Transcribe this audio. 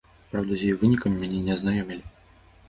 Праўда, з яе вынікамі мяне не азнаёмілі.